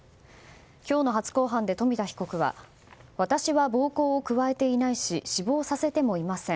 今日の初公判で冨田被告は私は暴行を加えていないし死亡させてもいません